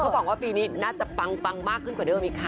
บอกว่าปีนี้น่าจะปังมากขึ้นกว่าเดิมอีกค่ะ